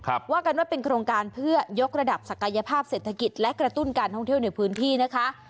ว่ากันว่าเป็นโครงการเพื่อยกระดับศักยภาพเศรษฐกิจและกระตุ้นการท่องเที่ยวในพื้นที่นะคะ